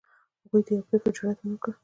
هغوی د یوې پرېکړې جرئت ونه کړ.